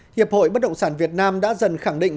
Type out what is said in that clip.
hiệp hội bất động sản việt nam đã dần khẳng định